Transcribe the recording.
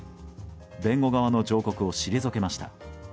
弁護側の上告を退けました。